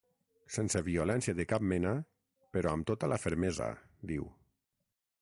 Sense violència de cap mena, ‘però amb tota la fermesa’, diu.